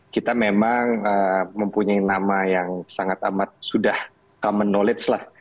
kita memang mempunyai nama yang sangat amat sudah common knowledge lah